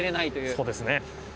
そうですね。